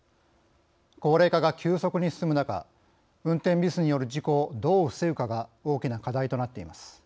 高齢化が急速に進む中運転ミスによる事故をどう防ぐかが大きな課題となっています。